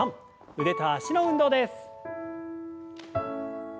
腕と脚の運動です。